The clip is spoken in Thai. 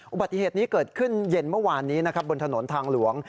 อุบัติเหตุนี้เกิดขึ้นเย็นเมื่อวานนี้นะครับบนถนนทางหลวง